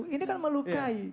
ini kan melukai